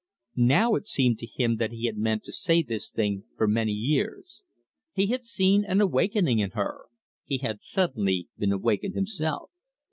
Now it seemed to him that he had meant to say this thing for many years. He had seen an awakening in her he had suddenly been awakened himself.